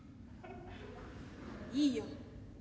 いいよ。